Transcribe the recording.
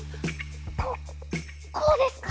ここうですか？